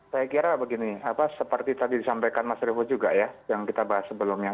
saya kira begini seperti tadi disampaikan mas revo juga ya yang kita bahas sebelumnya